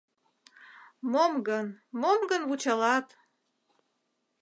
Мом гын, мом гын вучалат